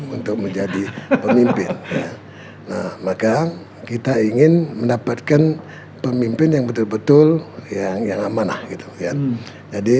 untuk menjadi pemimpin maka kita ingin mendapatkan pemimpin yang betul betul yang yang amanah gitu ya jadi